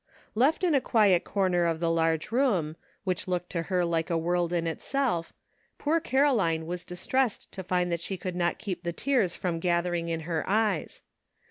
Left in a quiet corner of the large room, which looked to her like a world in itself, poor Caro line was distressed to find that she could not keep the tears from gathering in her eyes.